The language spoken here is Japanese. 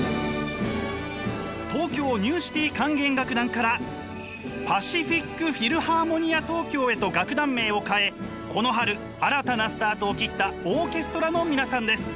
東京ニューシティ管弦楽団からパシフィックフィルハーモニア東京へと楽団名を変えこの春新たなスタートを切ったオーケストラの皆さんです。